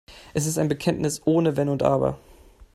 Es ist ein Bekenntnis ohne Wenn und Aber.